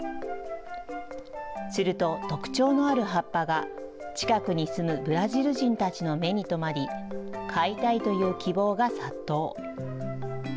すると特徴のある葉っぱが近くに住むブラジル人たちの目に留まり、買いたいという希望が殺到。